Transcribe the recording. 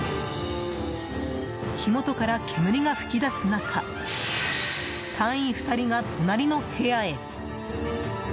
火元から煙が噴き出す中隊員２人が隣の部屋へ。